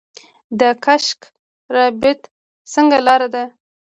د کشک رباط سنګي لاره ده